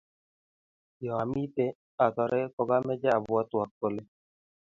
yoo lmite otore kogameche abwatwok kole